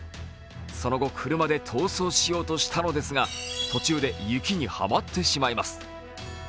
その後、車で逃走しようとしたのですが、途中で雪にはまってしまいます。